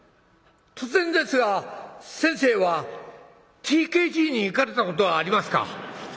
突然ですが先生はＴＫＧに行かれたことはありますか？」。